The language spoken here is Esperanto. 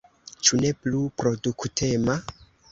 Ĉu ne plu produktema?